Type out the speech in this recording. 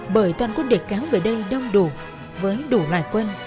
bởi toàn quân địch kéo về đây đông đủ với đủ loài quân